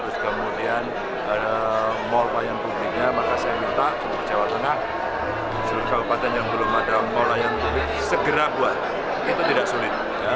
segera buat itu tidak sulit